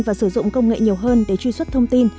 và sử dụng công nghệ nhiều hơn để truy xuất thông tin